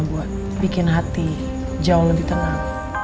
buat bikin hati jauh lebih tenang